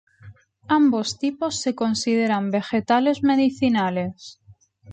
Ambos tipos se consideran vegetales medicinales.